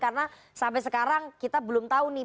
karena sampai sekarang kita belum tahu nih